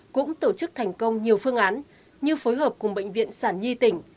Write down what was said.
cũng tổ chức thành công nhiều phương án như phối hợp cùng bệnh viện sản nhi tỉnh